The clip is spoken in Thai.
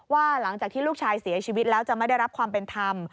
ว่าหลังจากที่ลูกชายเสียชีวิตแล้วจะไม่ได้รับความเป็นธรรม